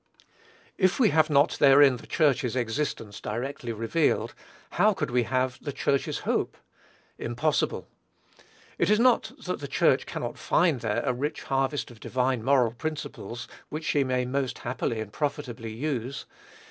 If we have not therein the Church's existence directly revealed, how could we have the Church's hope? Impossible. It is not that the Church cannot find there a rich harvest of divine moral principles, which she may most happily and profitably use.